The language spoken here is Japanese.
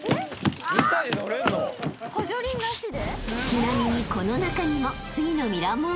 ［ちなみにこの中にも］